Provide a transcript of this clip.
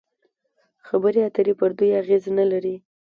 خبرې اترې پر دوی اغېز نلري.